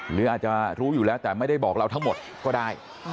หรืออาจจะรู้อยู่แล้วแต่ไม่ได้บอกเราทั้งหมดก็ได้